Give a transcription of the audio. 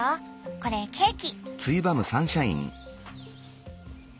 これケーキ。